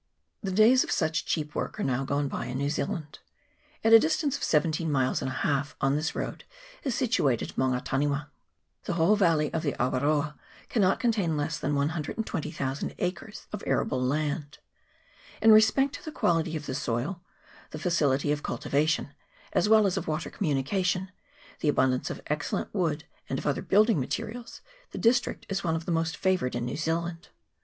The days of such cheap work are now gone by in New Zealand. At a distance of seventeen miles and a half on this road is situated Maunga Taniwa. The whole valley of the Awaroa cannot contain CHAP. XIII.] AWAROA VALLEY. 221 less than 120,000 acres of arable land. In respect to the quality of the soil, the facility of cultivation, as well as of water communication, the abundance of excellent wood and of other building materials, the district is one of the most favoured in New Zealand.